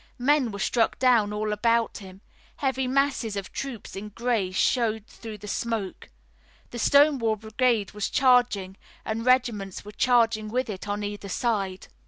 Men were struck down all about him. Heavy masses of troops in gray showed through the smoke. The Stonewall Brigade was charging, and regiments were charging with it on either side.